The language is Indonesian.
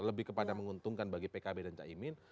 lebih kepada menguntungkan bagi pkb dan cak imin